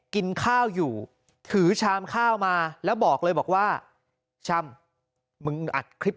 กินข้าวอยู่ถือชามข้าวมาแล้วบอกเลยบอกว่าชำมึงอัดคลิป